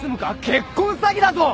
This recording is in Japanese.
結婚詐欺だぞ！